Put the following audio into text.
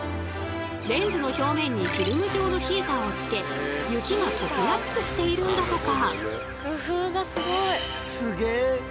レンズの表面にフィルム状のヒーターをつけ雪がとけやすくしているんだとか。